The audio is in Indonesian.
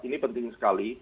ini penting sekali